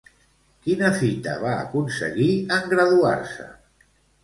Quina fita va aconseguir en graduar-se?